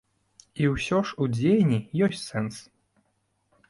І ўсё ж у дзеянні ёсць сэнс.